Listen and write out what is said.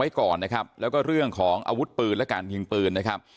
ได้ตัวให้ก่อนนะครับเรื่องของอาวุธเปลืองและการหยิงปืน